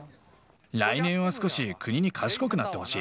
来年は少し国に賢くなってほしい。